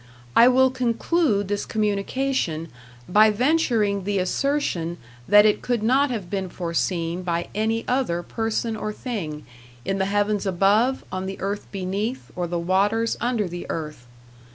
I will conclude this communication by venturing the assertion that it could not have been foreseen by any other person or thing, in the heavens above, on the earth beneath, or the waters under the earth.